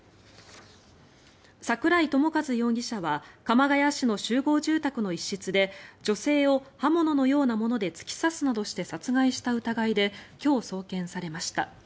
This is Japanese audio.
櫻井朝和容疑者は鎌ケ谷市の集合住宅の一室で女性を刃物のようなもので突き刺すなどして殺害した疑いで今日、送検されました。